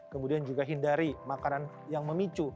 kemudian juga hindari makanan yang memicu